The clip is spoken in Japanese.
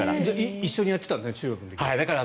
一緒にやっていたんですね中学の時から。